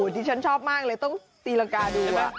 ที่ฉันชอบมากเลยต้องตีรังกาดู